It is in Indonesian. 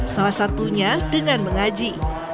salah satunya dengan mengaji